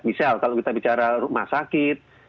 misal kalau kita bicara rumah sakit